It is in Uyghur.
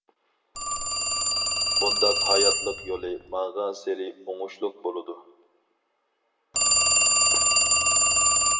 بۇنداق ھاياتلىق يولى ماڭغانسېرى ئوڭۇشلۇق بولىدۇ.